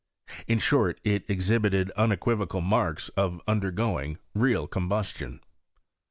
In short, it exhibited unequivocal marks of undergoing real combustion.